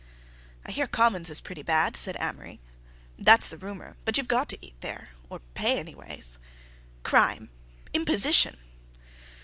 "I hear Commons is pretty bad," said Amory. "That's the rumor. But you've got to eat there—or pay anyways." "Crime!" "Imposition!"